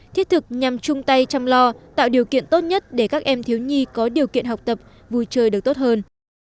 thiết thực nhằm chung tay chăm lo tạo điều kiện tốt nhất để các em thiếu nhi có điều kiện học tập vui chơi được tốt hơn